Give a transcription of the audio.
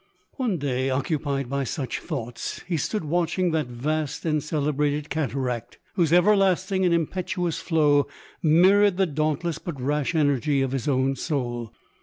One day, occupied by such thoughts, he stood watching that vast and celebrated cataract, whose everlasting and impetuous flow mirrored the dauntless but rash energy of his own soul.